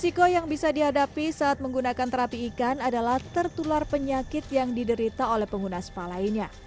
risiko yang bisa dihadapi saat menggunakan terapi ikan adalah tertular penyakit yang diderita oleh pengguna spa lainnya